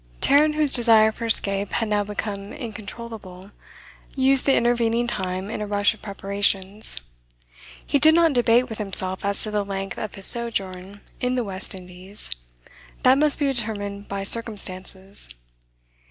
Tarrant, whose desire for escape had now become incontrollable, used the intervening time in a rush of preparations. He did not debate with himself as to the length of his sojourn in the West Indies; that must be determined by circumstances.